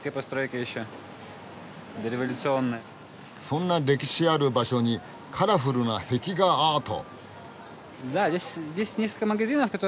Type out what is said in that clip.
そんな歴史ある場所にカラフルな壁画アート！